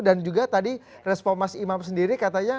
dan tadi respon mas iman sendiri katanya